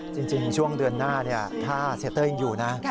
จริงช่วงเดือนหน้าถ้าเสียเต้ยยังอยู่นะ